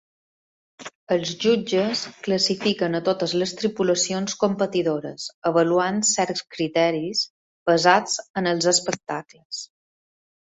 Els jutges classifiquen a totes les tripulacions competidores avaluant certs criteris basats en els espectacles.